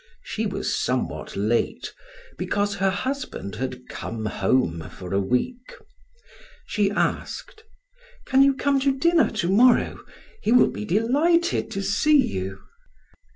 She was somewhat late because her husband had come home for a week. She asked: "Can you come to dinner to morrow? He will be delighted to see you."